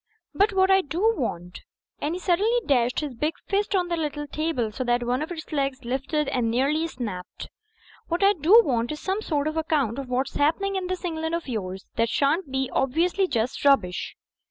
But hwhat I do want —" and he suddenly dashed his big fist on the little table so that one of its legs le^t and nearly snapped — "hwhat I do want is some sort of account of what's happening in this England of yours that shan't be just obviously rubbish."